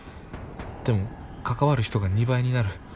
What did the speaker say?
でも関わる人が２倍になる。